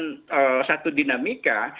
tidak menunjukkan satu dinamika